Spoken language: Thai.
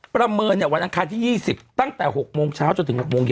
ประเมินวันอังคารที่๒๐ตั้งแต่๖โมงเช้าจนถึง๖โมงเย็น